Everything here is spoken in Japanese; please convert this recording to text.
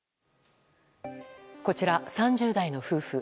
こちら、３０代の夫婦。